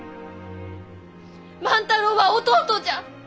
万太郎は弟じゃ！